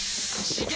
刺激！